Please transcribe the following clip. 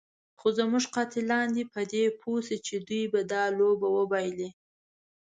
خو زموږ قاتلان دې په دې پوه شي چې دوی به دا لوبه وبایلي.